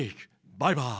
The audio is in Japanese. バイバイ。